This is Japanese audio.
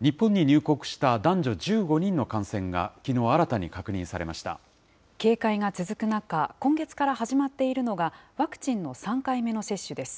日本に入国した男女１５人の感染警戒が続く中、今月から始まっているのが、ワクチンの３回目の接種です。